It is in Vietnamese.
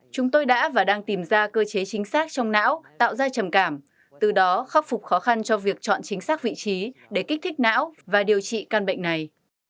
chúng tôi đã và đang tìm ra cơ chế chính xác trong não tạo ra trầm cảm từ đó khắc phục khó khăn cho việc chọn chính xác vị trí để kích thích não và điều trị căn bệnh này